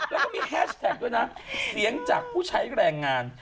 แล้วก็มีแฮชแท็กด้วยนะเสียงจากผู้ใช้แรงงาน